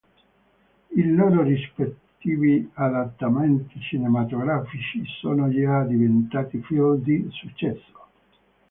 I loro rispettivi adattamenti cinematografici sono già diventati film di successo..